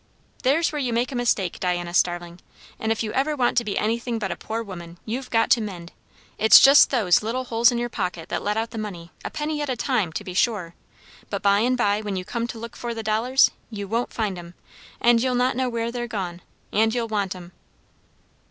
"There's where you make a mistake, Diana Starling; and if you ever want to be anything but a poor woman, you've got to mend. It's just those little holes in your pocket that let out the money; a penny at a time, to be sure; but by and by when you come to look for the dollars, you won't find 'em; and you'll not know where they're gone. And you'll want 'em."